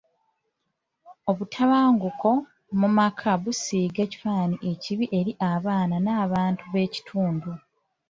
Obutabanguko mu maka busiiga ekifaananyi ekibi eri abaana n'abantu b'ekitundu.